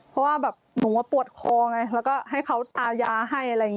เพราะว่าแบบหนูปวดคอไงแล้วก็ให้เขาตายาให้อะไรอย่างนี้